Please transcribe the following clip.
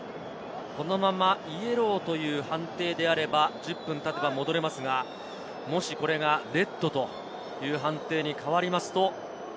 このままイエローという判定であれば１０分たてば戻れますが、もしこれがレッドという判定に変わると。